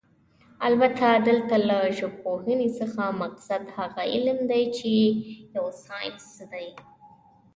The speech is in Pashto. البته دلته له ژبپوهنې څخه مقصد هغه علم دی چې يو ساينس دی